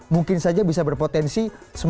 mungkin saja bisa berpotensi